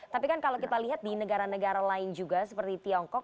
tapi kan kalau kita lihat di negara negara lain juga seperti tiongkok